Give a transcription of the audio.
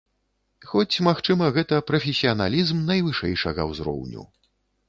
Хоць, магчыма, гэта прафесіяналізм найвышэйшага ўзроўню.